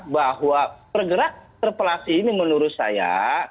bahwa pergerak interpelasi ini menurut saya